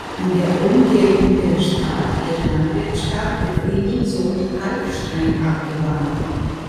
In der Umgebung der Stadt wird Landwirtschaft betrieben sowie Kalkstein abgebaut.